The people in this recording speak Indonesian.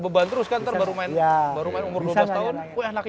beban terus kan ntar baru main umur dua belas tahun wah